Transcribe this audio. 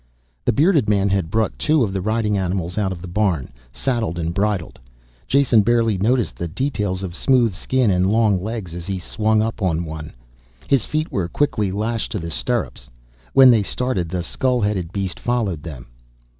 The bearded man had brought two of the riding animals out of the barn, saddled and bridled. Jason barely noticed the details of smooth skin and long legs as he swung up on one. His feet were quickly lashed to the stirrups. When they started the skull headed beast followed them.